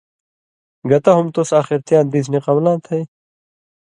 گتہ ہُم تُس (آخِرتیاں دیس) نی قبلاں تھئ؟